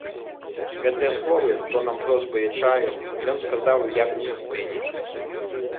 Гэтыя словы, тонам просьбы і адчаю, ён сказаў як у пустыні.